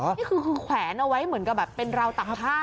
นี่คือแขวนเอาไว้เหมือนกับแบบเป็นราวตักผ้า